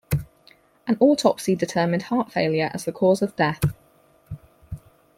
An autopsy determined heart failure as the cause of death.